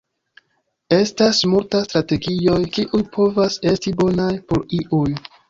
Estas multa strategioj, kiuj povas esti bonaj por iuj.